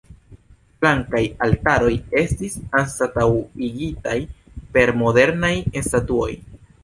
Flankaj altaroj estis anstataŭigitaj per modernaj statuoj.